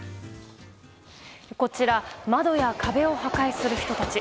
こちら窓や壁を破壊する人たち。